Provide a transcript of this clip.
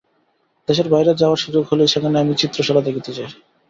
দেশের বাইরে যাওয়ার সুযোগ হলেই, সেখানে গিয়ে আমি চিত্রশালা দেখতে যাই।